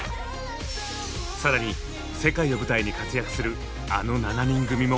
更に世界を舞台に活躍するあの７人組も！